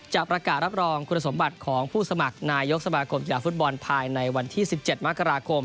จะประกาศรับรองคุณสมบัติของผู้สมัครนายกสมาคมกีฬาฟุตบอลภายในวันที่๑๗มกราคม